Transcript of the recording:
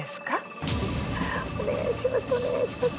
お願いします